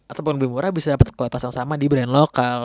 ataupun lebih murah bisa dapet kelepasan sama di brand lokal